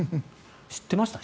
知ってました？